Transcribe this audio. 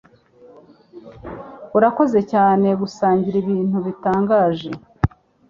Urakoze cyane gusangira ibintu bitangaje